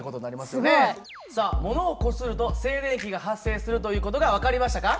すごい！さあ物をこすると静電気が発生するという事が分かりましたか？